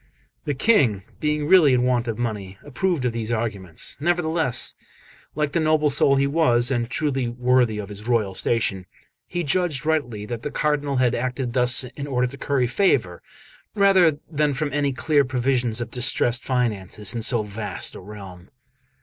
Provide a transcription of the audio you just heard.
The King, being really in want of money, approved of these arguments; nevertheless, like the noble soul he was, and truly worthy of his royal station, he judged rightly that the Cardinal had acted thus in order to curry favour rather than from any clear prevision of distressed finances in so vast a realm.